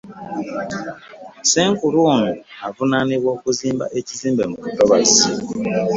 Ssenkulu Ono avunaanibwa okuzimba ekizimbe mu lutobazi